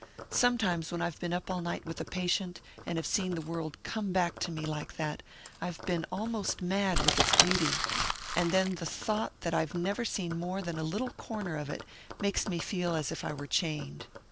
Sometimes, when I've been up all night with a patient, and have seen the world come back to me like that, I've been almost mad with its beauty; and then the thought that I've never seen more than a little corner of it makes me feel as if I were chained.